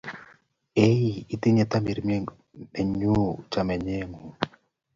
Inye ii tamirmirienyu chamanenyu